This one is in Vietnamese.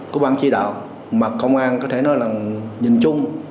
của ban chỉ đạo mà công an có thể nói là nhìn chung